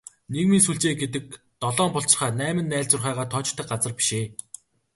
Нийгмийн сүлжээ гэдэг долоон булчирхай, найман найлзуурхайгаа тоочдог газар биш ээ.